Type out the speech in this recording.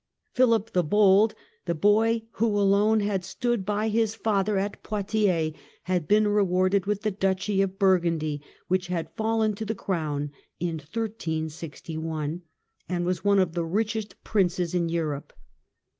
Philip the Bold, the boy who alone had stood by his father at Poitiers, had been rewarded with the Duchy of Burgundy, which had fallen to the Crown in 1361, and was one of the richest princes in Europe.